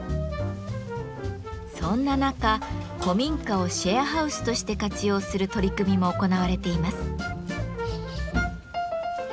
そんな中古民家を「シェアハウス」として活用する取り組みも行われています。